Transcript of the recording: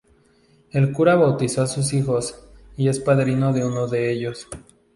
El cura bautizó a sus hijos y es padrino de uno de ellos.